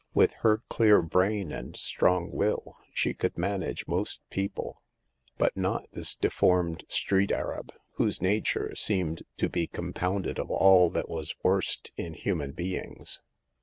With her clear brain and strong will, she could manage most people, but not this deformed street arab^ whose nature seemed to be compounded of all that was worst in human beings.